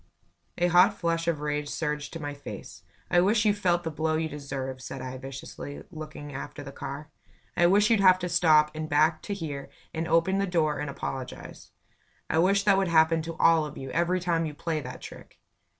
A hot flush of rage surged to my face. "I wish you felt the blow you deserve," said I, viciously, looking after the car. "I wish you'd have to stop, and back to here, and open the door and apologize. I wish that would happen to all of you, every time you play that trick."